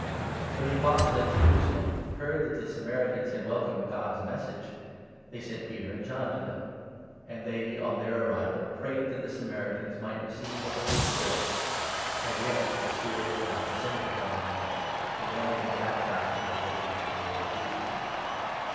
When the Apostles at Jerusalem heard that the antfjohn Samaritans had welcomed God's Message, they at sent Peter and John to them ; and they, on their Samaria. arrival( prayed that the Samaritans might re ceive the Holy Spirit. (As yet the Spirit had not descended upon any of them ; they had only been baptized into the Faith of the Lord Jesus).